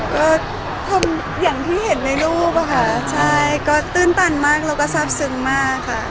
ก็ทำอย่างที่เห็นในรูปอะค่ะใช่ก็ตื้นตันมากแล้วก็ทราบซึ้งมากค่ะ